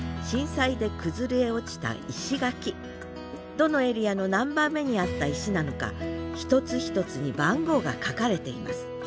どのエリアの何番目にあった石なのか一つ一つに番号が書かれています。